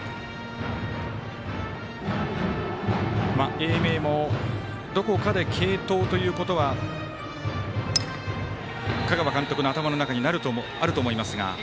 英明もどこかで継投ということは香川監督の中にはあると思いますが。